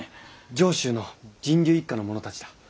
上州の神龍一家の者たちだ。